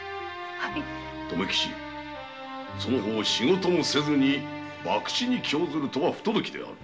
留吉その方仕事もせずにバクチに興ずるとは不届きである。